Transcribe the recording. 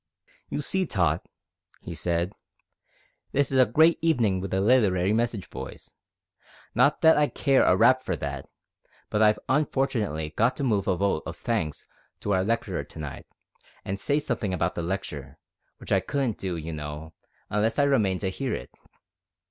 "You see, Tot," he said, "this is a great evenin' with the literary message boys. Not that I care a rap for that, but I've unfortunately got to move a vote of thanks to our lecturer to night, and say somethin' about the lecture, which I couldn't do, you know, unless I remained to hear it.